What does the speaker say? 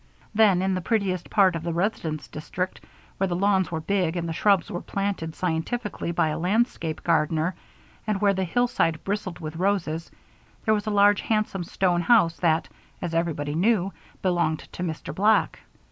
Then, in the prettiest part of the residence district, where the lawns were big and the shrubs were planted scientifically by a landscape gardener and where the hillside bristled with roses, there was a large, handsome stone house that, as everybody knew, belonged to Mr. Black.